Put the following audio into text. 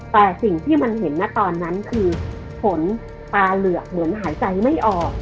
แต่สิ่งที่มันเห็นนะตอนนั้นคือฝนตาเหลือกเหมือนหายใจไม่ออก